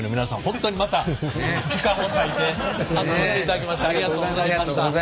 ほんとにまた時間を割いて集まっていただきましてありがとうございました。